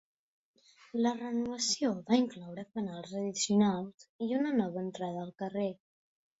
La renovació va incloure fanals addicionals i una nova entrada al carrer.